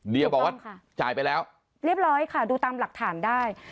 เดียบอกว่าจ่ายไปแล้วเรียบร้อยค่ะดูตามหลักฐานได้